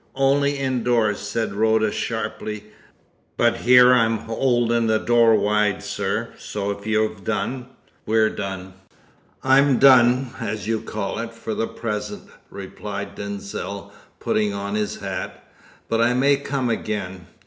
"Only indoors," said Rhoda sharply, "but here I'm 'olding the door wide, sir, so if you've done, we're done." "I'm done, as you call it, for the present," replied Denzil, putting on his hat, "but I may come again.